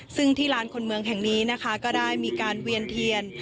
ซึ่งที่ลานคนเมืองแห่งนี้นะคะก็ได้มีการเวียนเทียน